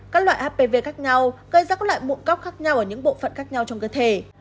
các loại apv khác nhau gây ra các loại mụn cóc khác nhau ở những bộ phận khác nhau trong cơ thể